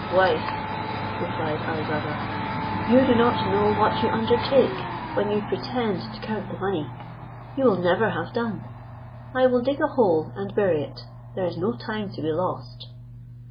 "Wife," replied Ali Baba, "you do not know what you undertake, when you pretend to count the money; you will never have done. I will dig a hole, and bury it; there is no time to be lost".